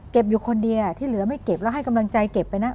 อยู่คนเดียวที่เหลือไม่เก็บแล้วให้กำลังใจเก็บไปนะ